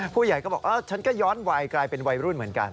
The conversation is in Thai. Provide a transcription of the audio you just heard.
ผู้ใหญ่ก็บอกฉันก็ย้อนวัยกลายเป็นวัยรุ่นเหมือนกัน